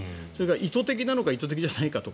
意図的なのか意図的でないかは